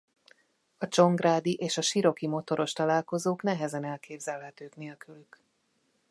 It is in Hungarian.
A csongrádi és a siroki motoros találkozók nehezen elképzelhetők nélkülük.